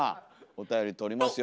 おたより取りますよ。